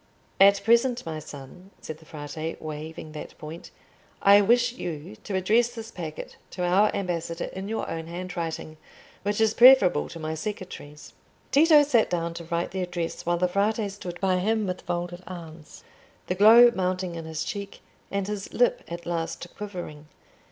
"At present, my son," said the Frate, waiving that point, "I wish you to address this packet to our ambassador in your own handwriting, which is preferable to my secretary's." Tito sat down to write the address while the Frate stood by him with folded arms, the glow mounting in his cheek, and his lip at last quivering.